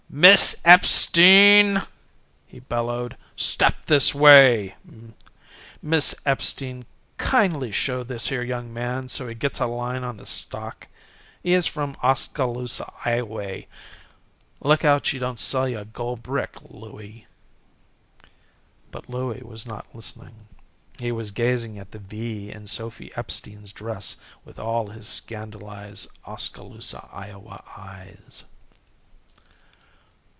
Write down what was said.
"Miss Epstein!" he bellowed, "step this way! Miss Epstein, kindly show this here young man so he gets a line on the stock. He is from Oskaloosa, Ioway. Look out she don't sell you a gold brick, Louie." But Louie was not listening. He was gazing at the V in Sophy Epstein's dress with all his scandalized Oskaloosa, Iowa, eyes.